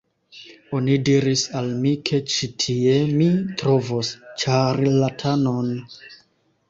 Oni diris al mi ke ĉi tie mi trovos ĉarlatanon